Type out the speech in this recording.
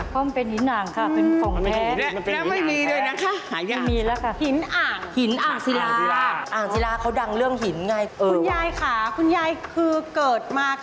๙๐กว่าบาทสมัยนู้นน่ะ